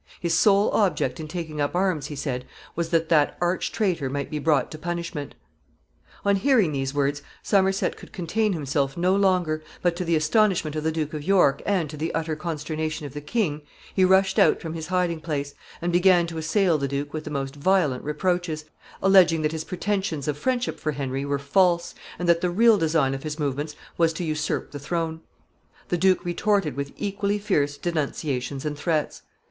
His sole object in taking up arms, he said, was that that arch traitor might be brought to punishment. [Sidenote: Scene in the tent.] [Sidenote: Fierce altercation.] [Sidenote: The Duke of York imprisoned.] On hearing these words, Somerset could contain himself no longer, but, to the astonishment of the Duke of York and to the utter consternation of the king, he rushed out from his hiding place, and began to assail the duke with the most violent reproaches, alleging that his pretensions of friendship for Henry were false, and that the real design of his movements was to usurp the throne. The duke retorted with equally fierce denunciations and threats.